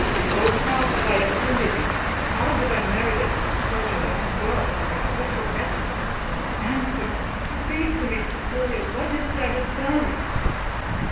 Oh how have I offended you? how have I merited a displeasure that can draw upon me such a sentence? Answer, speak to me, Cecilia, what is it I have done?"